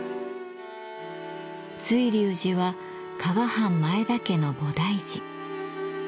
瑞龍寺は加賀藩前田家の菩提寺。